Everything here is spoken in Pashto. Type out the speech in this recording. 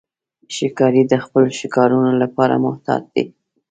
ښکاري د خپلو ښکارونو لپاره محتاط دی.